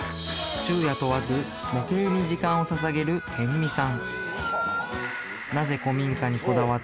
昼夜問わず模型に時間をささげる逸見さん